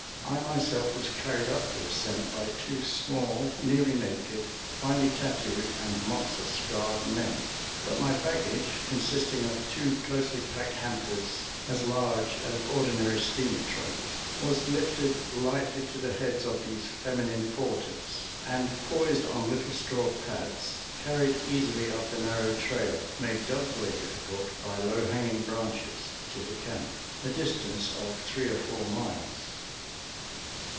I myself was carried up the ascent by two small, nearly naked, finely tattooed and moxa scarred men; but my baggage, consisting of two closely packed hampers as large as ordinary steamer trunks, was lifted lightly to the heads of these feminine porters, and, poised on little straw pads, carried easily up the narrow trail, made doubly difficult by low hanging branches, to the camp, a distance of three or four miles.